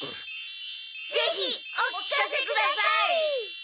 ぜひお聞かせください！